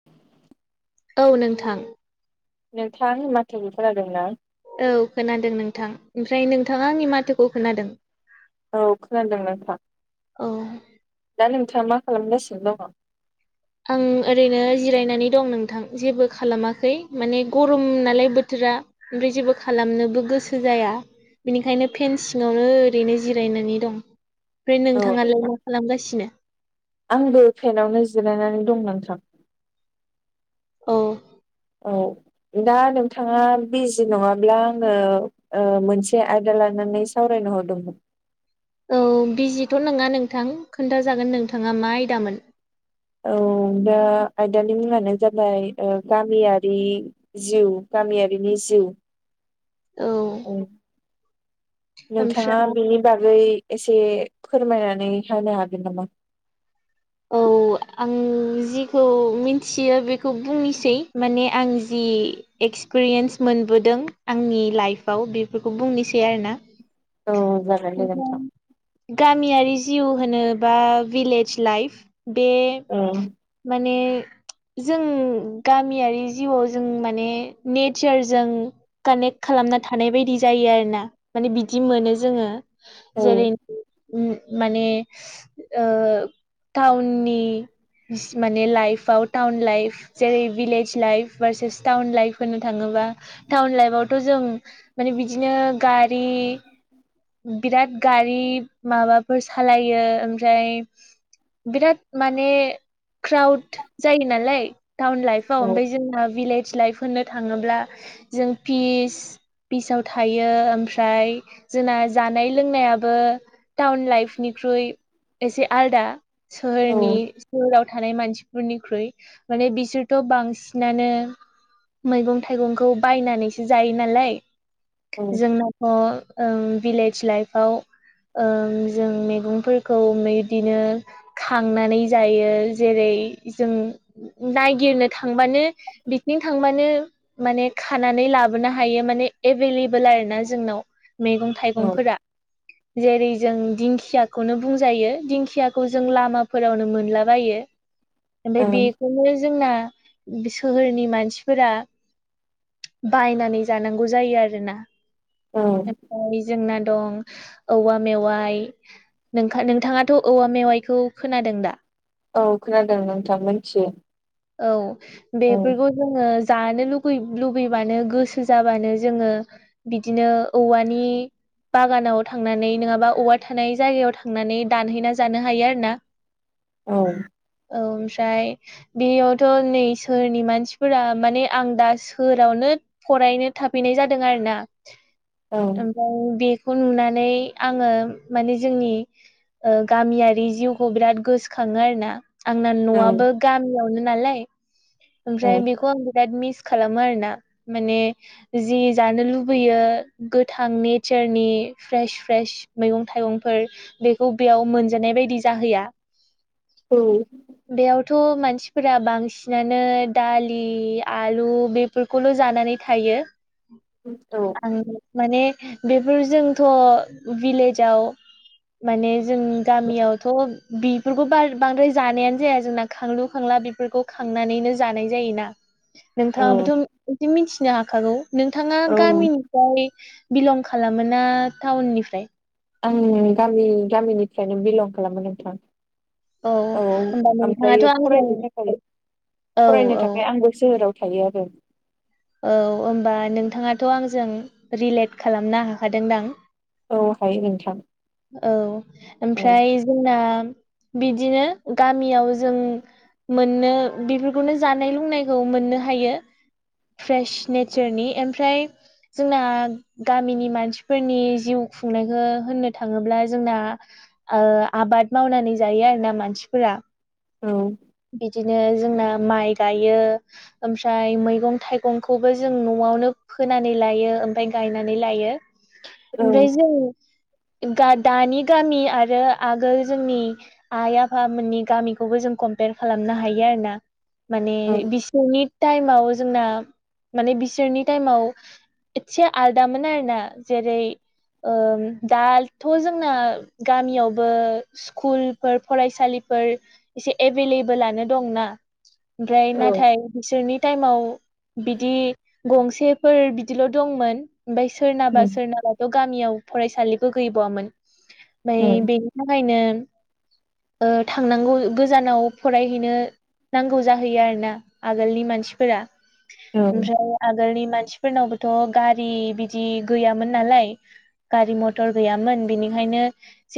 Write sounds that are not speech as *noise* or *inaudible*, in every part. *inaudible* औ नोंथां नोंथा लासैयै खोनादों ना? औ खोनादों नोंथां ओमफ्राय नोंथाङा आंनि माथोखौ खोनादों? औ खोनादों नोंथां औ दा नोंथाङा मा खालामगासिनो दङ? आं ओरैनो जिरायनानै दं नोंथां जेबो खालामाखै माने गरम नालाय बोथोरा। ओमफ्राय जेबो खालामनोबो गोसो जाया। बिनिखायनो फेनसिंावनो ओरैनो जिरायनानै दं ओमफ्राय औ नोंथाङालाय मा खालामगासिनो? आंबो फेेनावनो जिरायनानै दं नोंथां। औ औ दा नोंथाङा बिजि नङाब्ला आङो मोनसे आयदा लानानै सावरायनो हरदोंमोन। औ बिजिथ' नङा नोंथां खोन्थाजागोन नोंथाङा मा आयदामोन। औ दा आयदानि मुङानो जाबाय ओ गामियारि जिउ गामियारिनि जिउ औ ओमफ्राय नोंथाङा बेनि बागै एसे फोरमायनानै होनानो हागोन नामा? औ आं जिखौ मिथियो बेखौ बुंनोसै माने आं जि एक्सपिरियेन्स मोनबोदों आंनि लाइफआव बेफोरखौ बुंनोसै आरो ना? औ ज *unintelligible* गामियारि जिउ होनोोबा भिलेज लाइफ बे अ माने जों गामियारि जिउआव जों माने नेचारजों कानेक्ट खालामना थानाय बायदि जायो आरोोना माने बिदि मोनो जोङो। औ जेरै माने टाउननि माने लाइफआव टाउन लाइफ जेरै भिलेज लाइफ बारसेस टाउन लाइफ होनो थाङोबा टाउन लाइफआवथ' जों माने बिदिनो गारि बिराद गारि माबाफोर सालायो ओमफ्राय बिराद माने क्राउड जायो नालाय टाउन लाइफआव औ ओमफ्राय जोंना भिलेज लाइफ होनो थाङोब्ला जों फिस बिसाव थायो ओमफ्राय जोंना जानाय लोंनायाबो टाउन लाइफनिख्रुइ एसे आलदा औ सोहोरनि सलाव थानाय मानसिफोरनिख्रुइ माने बिसोरथ' बांसिनानो मैगं थाइगंखौ बायनानैसो जायो नालाय औ जोंनाथ' ओं भिलेज लाइफाव ओं जों मेगंफोरखौ मैदिनो खांनानै जायो जेरै जों नायगिरनो थांबानो बिकनिक थांबानो माने खानानै लाबोनो हायो माने एभेलेबोल आरो ना जोंनाव मेगं औ थाइगंफोरा। जेरै जों दिंखियाखौनो बुंजायो। दिंखियाखौ जों लामाफोरावनो मो मोनलाबायो ओमफ्राय ओं बेखौनो जोंना सोहोरनि मानसिफोरा बायनानै जानांगौ जायो आरोना औ ओमफाय जोंना दं औवा मेवाइ नोंखा नोंथाङाथ' औवा मेवाइखौ खोनादों दा? औ खोनादों नोंथां मोनथियो। औ औ बेफोरखौ जोङो जानो लुगै लुगैबानो गोसो जाबानो जोङो बिदिनो औवानि बागानाव थांनानै नङाबा औवा थानाय जायगायाव थांनानै दानहैना जानो हायो आरो ना। औ औ ओमफ्राय बेयावथ' नै सोहोरनि मानसिफोरा माने आं दा सोरावनो फरायनो थाफैनाय जादों आरो ना औ ओम ओ बेखौ नुनानै आङो माने जोंनि ओ गामियारि जिउखौ बिराद गोस खाङो आरो ना आंना औ न'आबो गामियावनो नालाय। औ ओमफ्राय बेखौ आं बिराद मिस खालामो आरो ना माने जि जानो लुबैयो गोथां नेचारनि फ्रेश फ्रेश मैगं थाइगंफोर बेखौ बेयाव मोनजानाय बायदि जाहैया। औ। बेयावथ' मानसिफोरा बांसिनानो दालि आलु बे फोरखौल' जानानै थायो औ आं माने बेफोर जोंथ' भिलेजाव माने जों गामियावथ' बिफोरखौ बार बांद्राय जानायानो जाया जोंना खांलु खांला बेफोरखौ खांनानैनो जानाय जायोना। औ नोंथाङाबोथ' एसे मिथिनो हाखागौ नोंथाङा औ गामिनि फ्राय बिलं खालामो ना टाउननिफ्राय? आं गामि गामिनिफ्रायनो बिलं खालामो नोंथां। औ होमबा आमफ्राय नोंथाङाथ' आंजों फरायनो थाखाय औ फरायनो औ थाखाय आंबो सोहोराव थायो आरो। औ ओमबा नोंथाङाथ' आंजों रिलेट खालामनो हाखादोंदां? औ हायो नोंथां औ औ ओमफ्राय जोंना बिदिनो गामियाव जों मोननो बेफोरखौनो जानाय लोंनायखौ मोननो हायो। फ्रेश नेचारनि एमफ्राय जोंना गामिनि मानसिफोरनि जिउ खुंनायखो होननो थाङोब्ला जोंना ओ आबाद मावनानै जायो आरो ना मानसिफोरा। औ बिदिनो जोंना माइ गायो ओमफ्राय मैगं थाइगंखौबो जों न'आवनो फोनानै लायो ओमफाय गायनानै लायो औ ओमफ्राय जों दा दानि गामि आरो आगोल जोंनि आइ आफामोननि गामिखौबो जों खम खालामनो हायो आरो ना माने औ बिसोरनि टाइमाव जोंना माने बिसोरनि टाइमाव इसे आलादा मोनोन आरोना जेरै- ओ दाथ' जोंना गामियावबो स्कुलफोर फरायसालिफोर एभेलेबोेलानो दंना ओमफ्राय औ नाथाय बिसोरनि टाइमाव बिदि गंसेफोर बिदिल' दंमोन ओमफ्राय सोरनाबा उम सोरनाबा थ' गामियाव फरायसालिबो गैबावामोन ओमफ्राय उम बे थाखायनो ओ थांनांगौ गोजानाव फरायहैनो नांगौ जाहैयो आरोना आगोलनि मानसिफोरा औ ओमफ्राय आगोलनि मानसिफोरनावबोथ' गारि बिदि गैयामोन नालाय गारि मथर गैयामोन बिनिखायनो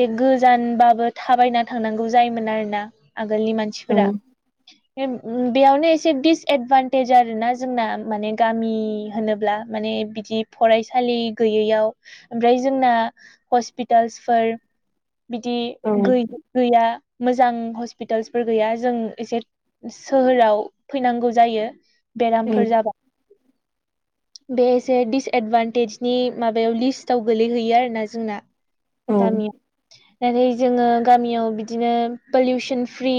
जे गोजानबाबो थाबायना थांनांगौ जायोमोन आरोना आगोलनि मानसिफोरा *inaudible* बेयावनो एसे दिडिसएदभान्टेज आरोना जोंना माने गामि होनोब्ला माने बिदि फरायसालि गैयैयाव ओमफ्राय जोंना हस्पिटाल्सफोर बिदि उम औ गै गैया मोजां हस्पि हस्पिटालसफोर गैया जों एसे सोहोराव फैनांगौ जायो औ बेरामफोर जाबा बे एसे दिडिसएदभान्टेजनि माबायाव लिस्टआव गोलैहैयो आरोना जोंना गामियाव नाथाय जोङो गामियाव बिदिनो पलिउसन फ्रि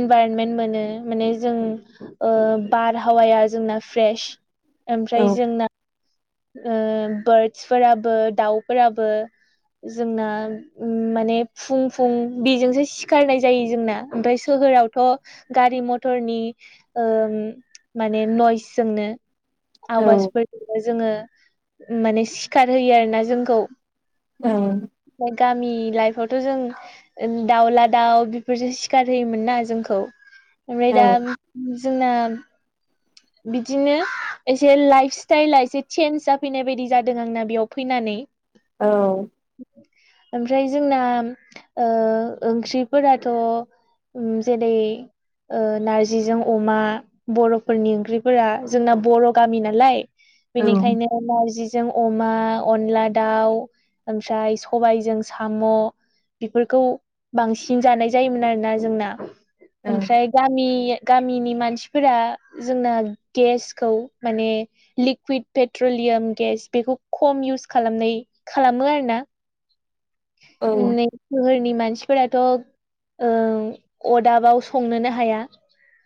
इनभाइरनमेन्ट मोनो माने जों बारहावाया जोंना फ्रेश औ ओमफ्राय जोंना बार्दसफोराबो दाउफोराबो जोंना माने उम फुं फुं बेजोंसो सिखारनाय जायो जोंना ओमफ्राय सोहोरावथ' गारि मथरनि ओ माने नइस जोंनो आवाजफोरजोंबो जोङो माने सिखार होयो आरो ना जोंखौ औ गामि लाइफआवथ' जों दाउला दाउ बेफोरसो सि सिखार होयोमोन ना जोंखौ ओमफ्राय दा जोंना बिदिनो एसे लाइफ स्टाइला एसे चेन्ज जाफैनाय बायदि जादों आंना बेयाव फैनानै औ ओमफ्राय जोंना ओ ओंख्रिफोराथ' उम जेरै नारजिजों अमा बर'फोरनि ओं ख्रिफोरा जोंना बर' गामि नालाय बेनिखायनो नारजिजों अमा अनला दाउ ओमफ्राय सबायाइजों साम' बेफोरखौ बांसिन जानाय जायोमोन आरोना जोंना ओमफ्राय गामि गामिनि मानसिफोरा जोंना गेसखौ माने लिकुइड पेट्रलियाम गेस बेखौ खम इउस खालामनाय खालामो आरोना *inaudible* उम नै सोहोरनि मानसिफोराथ' अदाबाव संनोनो हाया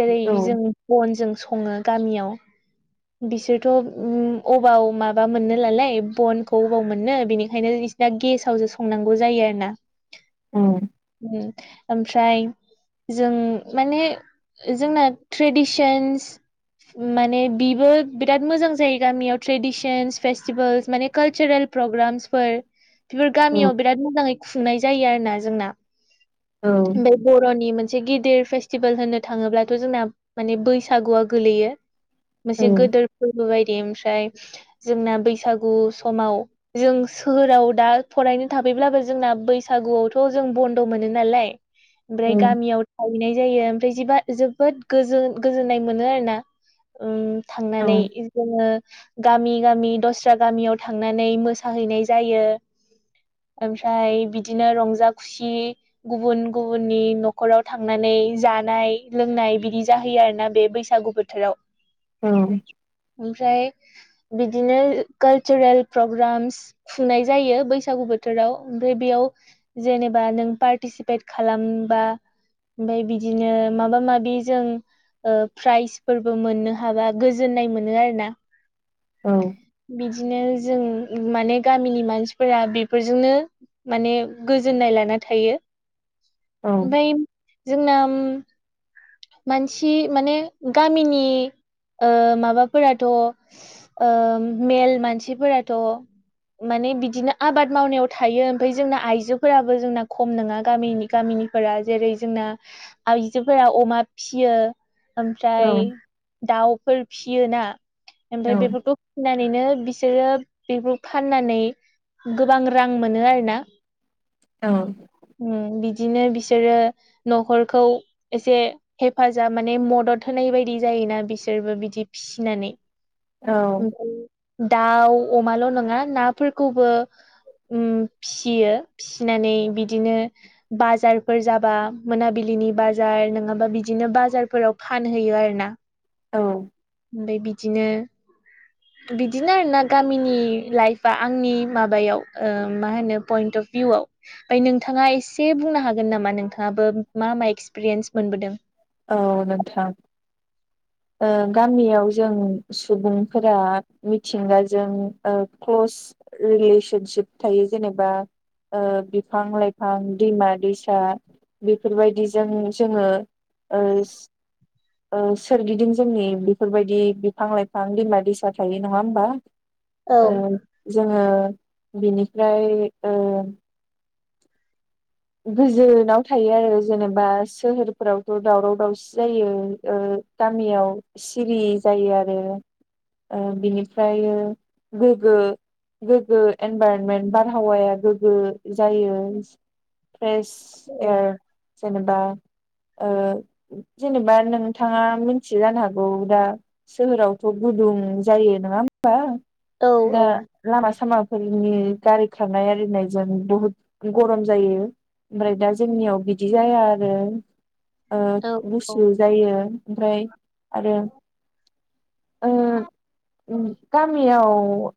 जेरै औ जों बनजों सङो गामियाव बिसोरथ' उम अबाव माबा मोनो नालाय बनखौ अबाव मोनो बिनिखायनो दा गेसावसो संनांगौ जायो आरो ना औ ओमफ्राय जों माने जोंना ट्रेडिसन्स माने बि बेबो बिराद मोजां जायो गामियाव ट्रेडिसनस फेस्टिभेल्स माने कालसारेल प्रग्रामसफोर बेफोर गामियाव बिराद मोजाङै खुंनाय जायो आरो ना जोंना औ ओमफ्राय बर'नि मोनसे गिदिर फेस्टिभेल होननो थाङोब्लाथ' जोंना माने बैसागुआ गोलैयो। मोनसे गोदोर फोरबो बायदि ओमफ्राय जोंना बैसागु समाव जों सोहोराव दा फरायनो थाफैब्लाबो जोंना बैसागुआवथ' जों बन्द' मोनो नालाय *inaudible* ओमफ्राय गामियाव थाहैनाय जायो ओमफ्रायबा जोबोद गोजोननाय मोनो आरो ना। उम थांनानै जोङो गामि गामि दस्रा गामियाव थांनानै मोसाहैनाय जायो। ओमफ्राय बिदिनो रंजा खुसि गुबुन गुबुननि न'खराव थांनानै जानाय लोंनाय बिदि जाहैयो आरोना बे बैसागु बोथोराव औ ओमफ्राय बिदिनो कालचारेल प्रग्रामस फुनाय जायो बैसागु बोथोराव ओमफ्राय बेयाव जेनेबा नों पार्टिसिपेट खालामबा ओमफ्राय बिदिनो माबा माबि जों ओ प्राइजफोरबो मोननो हाबा गोजोन्नाय मोनो आरोना औ बिदिनो जों माने गामिनि मानसिफोरा बेफोरजोंनो माने गोजोननाय लाना थायो ओमफफ्राय जोंना मानसि माने गामिनि ओ माबाफोराथ' ओ मेल मानसिफोराथ' माने बिदिनो आबाद मावनायाव थायो ओमफ्राय जोंना आइजोफोराबो जोंना खम नङा गामिनि गामिनि फोरा जेरै जोंना आइजोफोरा अमा फियो ओमफ्राय दाउफोर फिसियोना ओमफ्राय बेफोरखौ फिनानैनो बिसोरो बेखौ फाननानै गोबां रां मोनो आरो ना औ उम बिदिनो बिसोरो न'खरखौ एसे हेफाजाब माने मदद होनाय बायदि जायोना बिसोरबो बिदि फिसिनानै औ ओमफ्राय दाउ अमाल' नङा नाफोरखौबो उम फिसियो फिसिनानै बिदिनो बाजारफोर जाबा मोनाबिलिनि बाजार नङाबा बिदि बिदिनो बाजारफोराव फानहैयो आरो ना औ ओमफ्राय बिदिनो *inaudible* बिदिनो आरोना गामिनि लाइफआ आंनि माबायाव ओ मा होनो पइन्ट अफ भिउआव ओमफ्राय नोंथाङा एसे बुंनो हागोन नामा नोंथाङाबो मा मा एक्सपिरियेन्स मोनबोदों? औ नोंथां ओ गामियाव जों सुबुंफोरा मिथिंगाजों ओ क्ल'स रिलेसनसिप थायो जेनेबा ओ बिफां लाइफां दैमा दैसा बेफोरबायदिजों जोङो ओ ओ सोरगिदिं जोंनि बेफोरबायदि बिफां लाइफां दैमा दैसा थायो नङा होमबा? औ ओ जोङो बिनिफ्राय ओ गोजोनाव थायो आरो जेनेबा सोहोरफोराव दावराव दावसि जायो ओ गामियाव सिरि जायो आरो बिनिफ्राय गो्गो गोग्गो इनभरनमेन्ट बारहावाया गोग्गो जायो फ्रेस औ ए जेनेबा जेनेबा नोंथाङा मिथि जानो हागौ दा सोहोरावथ' गुदुं जायो नङा होनबा औ दा लामा सामाफोरनि गारि खारनाय आरिनायजों बुहुद गरम जायो ओमफ्राय दा जोंनियाव बिदि जाया आरो। औ औ गुसु जायो ओमफ्राय आरो गामियाव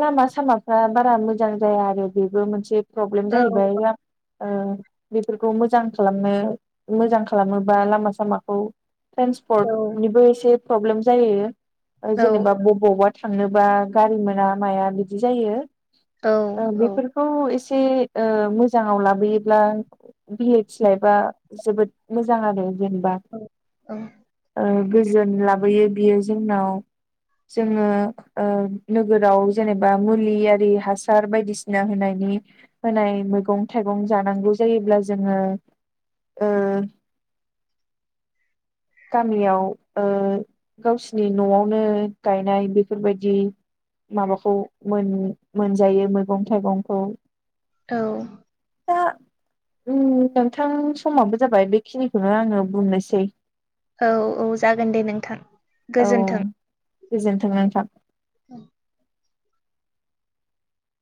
लामा सामाफ्रा बारा मोजां जाया आरो बेबो मोनसे प्रब्लेम औ जाहैबाय बेफोरखौ मोजां खालामनो मोजां खालामोबा लामा सामाखौ औ ट्रेन्सपर्टनिबो एसे प्रब्लेम जायो। जेनेबा बबावबावबा थांनोबा गारि मोना माया बिदि जायो। बेफोरखौ एसे ओ मोजाङाव लाबोयोब्ला बि एइस लाइबा जोबोद मोजां आरो जेनेबा गोजोन लाबोयो बियो जोंनाव जोङो नोगोराव जेनेबा मुलि आरि हासार बायदिसिना होनायनि होनाय मैगं थाइगं जानांगौ जायोब्ला जोङो ओ गामियाव ओ गावसिनि न'आवनो गायनाय बेफोरबायदि माबाखौ मोन मोनजायो मैगं थाइगंखौ। औ दा नोंथां समाबो जाबाय बेखिनिखौनो आङो बुंनोसै। औ औ जागोन दे नोंथां। औ गोजोन्थों। गोजोनथों नोंथां।